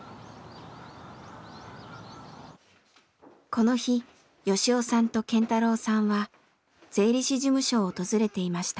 この日吉雄さんと健太郎さんは税理士事務所を訪れていました。